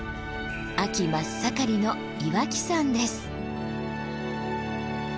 秋真っ盛りの岩木山です。